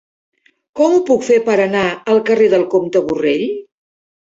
Com ho puc fer per anar al carrer del Comte Borrell?